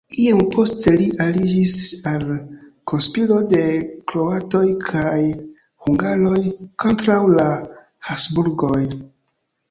Iom poste li aliĝis al konspiro de kroatoj kaj hungaroj kontraŭ la Habsburgoj.